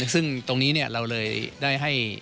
ซึ่งตรงนี้เราเลยได้ให้